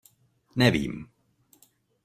Nevím.